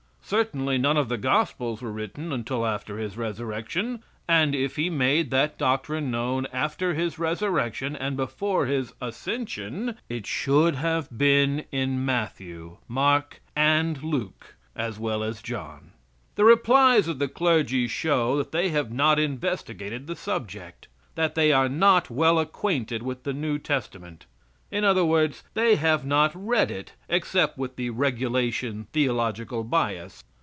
Certainly none of the gospels were written until after His resurrection; and if He made that doctrine known after His resurrection, and before His ascension, it should have been in Matthew, Mark, and Luke, as well as John. The replies of the clergy show that they have not investigated the subject; that they are not well acquainted with the New Testament. In other words, they have not read it except with the regulation theological bias.